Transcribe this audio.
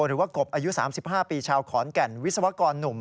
กบอายุ๓๕ปีชาวขอนแก่นวิศวกรหนุ่ม